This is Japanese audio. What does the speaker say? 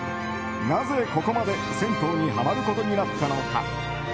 なぜここまで銭湯にハマることになったのか。